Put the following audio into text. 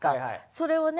それをね